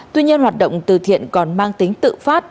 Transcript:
tuy nhiên hoạt động từ thiện còn mang tính tự phát